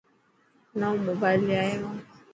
نئون موبائل لي آيو هان.